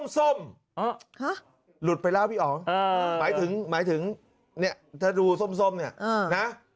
ส้มหลุดไปแล้วพี่อ๋องหมายถึงหมายถึงเนี่ยถ้าดูส้มเนี่ยนะ